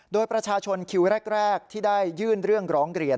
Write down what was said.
โดยประชาชนคิวแรกที่ได้ยื่นเรื่องร้องเรียน